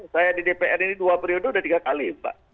saya di dpr ini dua periode sudah tiga kali mbak